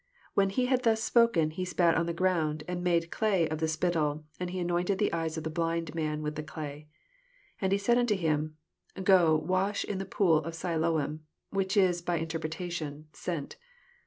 6 When he had thus spoken, he spat on the ground, and made clay of the spittle, and he anointed the eyes of the blind man with the day. 7 And said onto him. Go wash in the pool of Si/oam, (which is by inter pretation. Sent.)